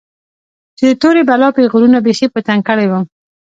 چې د تورې بلا پيغورونو بيخي په تنگ کړى وم.